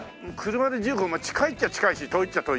車で１５分近いっちゃ近いし遠いっちゃ遠い。